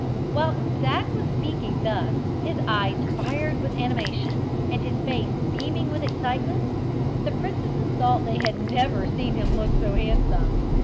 Whilst Zac was speaking thus, his eyes fired with animation, and his face beaming with excitement, the princesses thought they had never seen him look so handsome.